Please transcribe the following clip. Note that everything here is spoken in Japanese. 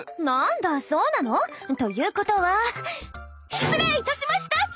なあんだそうなの？ということは失礼いたしました！